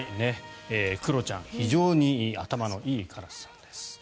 クロちゃん、非常に頭のいいカラスさんです。